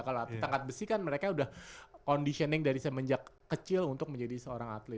ati tangkat besi kan mereka udah conditioning dari semenjak kecil untuk menjadi seorang atlet